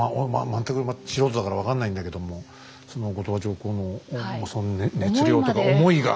全く素人だから分かんないんだけどもその後鳥羽上皇の熱量とか思いが。